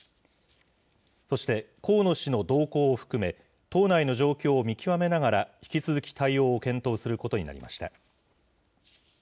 そして、河野氏の動向を含め、党内の状況を見極めながら引き続き対応を検討することになりました。